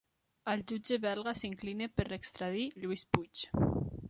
El jutge belga s'inclina per extradir Lluís Puig